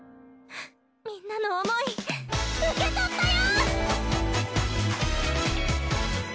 みんなの思い受け取ったよ！